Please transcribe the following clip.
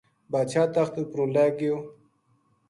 بادشاہ تخت اُپروں لہہ گیو